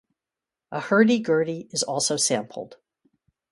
A hurdy-gurdy is also sampled.